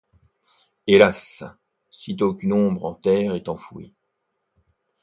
Hélas ! sitôt qu’une ombre en terre est enfouie